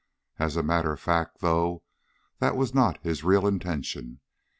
As a matter of fact, though, that was not his real intention.